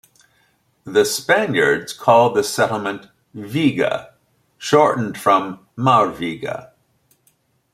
The Spaniards called the settlement "Viga", shortened from "Marviga".